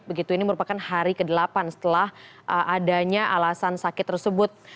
begitu ini merupakan hari ke delapan setelah adanya alasan sakit tersebut